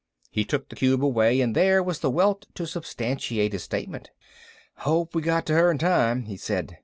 He took the cube away and there was the welt to substantiate his statement. "Hope we got to her in time," he said.